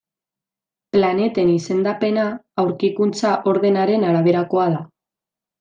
Planeten izendapena aurkikuntza ordenaren araberakoa da.